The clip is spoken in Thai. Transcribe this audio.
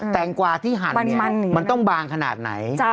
แงกวาที่หั่นมันต้องบางขนาดไหน